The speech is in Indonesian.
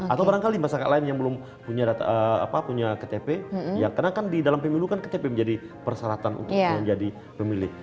atau barangkali masyarakat lain yang belum punya ktp ya karena kan di dalam pemilu kan ktp menjadi persyaratan untuk menjadi pemilih